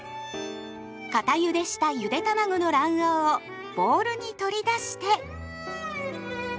固ゆでしたゆでたまごの卵黄をボウルに取り出して。